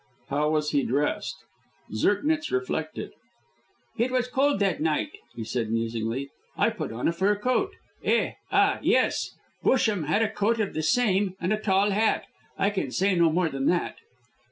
"How was he dressed?" Zirknitz reflected. "It was cold that night," said he, musingly. "I put on a fur coat. Eh! Ah, yes. Busham had a coat of the same and a tall hat. I can say no more than that."